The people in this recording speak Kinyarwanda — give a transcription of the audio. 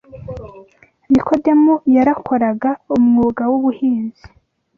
nikodemu yarakoraga umwuga w’ubuhinzi